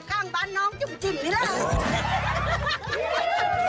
ข้างบ้านน้องจุ่มเลยล่ะ